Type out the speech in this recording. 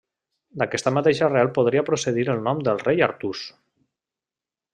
D'aquesta mateixa arrel podria procedir el nom del rei Artús.